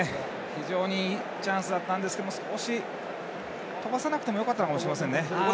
非常にチャンスだったんですが飛ばせなくてもよかったかもしれませんね。